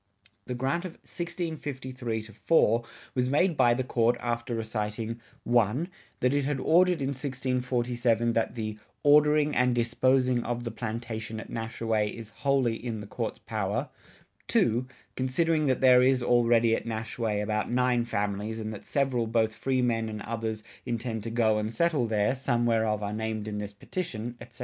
[57:3] The grant of 1653 4 was made by the Court after reciting: (1) that it had ordered in 1647 that the "ordering and disposeing of the Plantation at Nashaway is wholly in the Courts power"; (2) "Considering that there is allredy at Nashaway about nine Families and that severall both freemen and others intend to goe and setle there, some whereof are named in this Petition," etc.